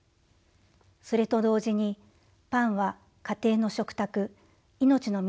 それと同時にパンは家庭の食卓命の源の象徴です。